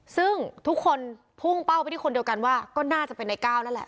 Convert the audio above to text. ซึ่งทุกคนพุ่งเป้าไปที่คนเดียวกันว่าก็น่าจะเป็นในก้าวนั่นแหละ